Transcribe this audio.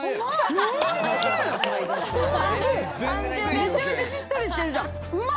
めちゃめちゃしっとりしてるじゃん。